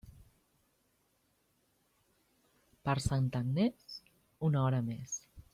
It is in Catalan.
Per Santa Agnés, una hora més.